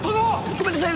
ごめんなさい！